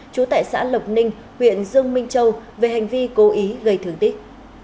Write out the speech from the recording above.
trú tại xã lộc ninh huyện dương minh châu về hành vi cố ý gây thương tích